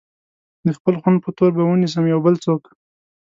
د خپل خون په تور به ونيسم يو بل څوک